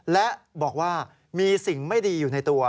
และบอกว่ามีสิ่งไม่ดีอยู่ในตัว